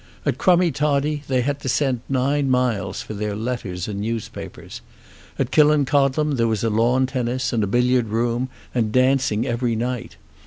At Crummie Toddie they had to send nine miles for their letters and newspapers. At Killancodlem there was lawn tennis and a billiard room and dancing every night.